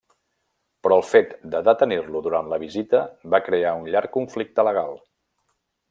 Però el fet de detenir-lo durant la visita va crear un llarg conflicte legal.